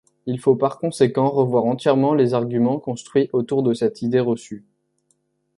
Il faut par conséquent revoir entièrement les arguments construits autour de cette idée reçue.